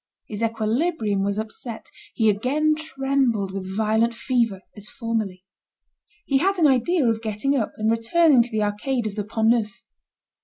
His equilibrium was upset, he again trembled with violent fever, as formerly. He had an idea of getting up, and returning to the Arcade of the Pont Neuf.